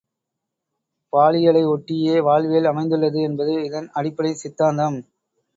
பாலியலை ஒட்டியே வாழ்வியல் அமைந்துள்ளது என்பது இதன் அடிப்படைச் சித்தாந்தம்.